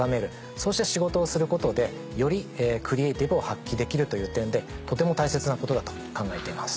そして仕事をすることでよりクリエイティブを発揮できるという点でとても大切なことだと考えています。